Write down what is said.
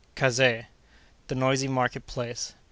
Kazeh.—The Noisy Market place.